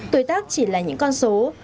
tuổi tác chỉ là những con số